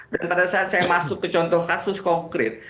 dan pada saat saya masuk ke contoh kasus konkret